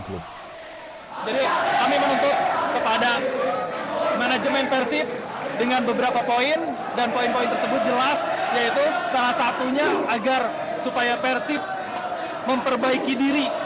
kami menuntut kepada manajemen persib dengan beberapa poin dan poin poin tersebut jelas yaitu salah satunya agar supaya persib memperbaiki diri